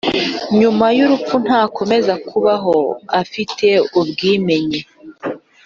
nyuma y’urupfu ntakomeza kubaho afite ubwimenye.